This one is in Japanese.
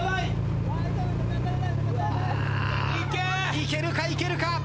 いけるかいけるか？